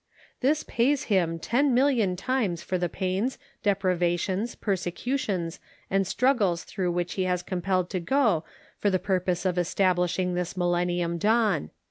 This pays him ten million times for the pains, depriva tions, persecutions and struggles through which he was compelled to go for the purpose of establishing this Millen nium dawn.